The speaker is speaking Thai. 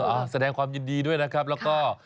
แสดงความยินดีด้วยนะครับแล้วก็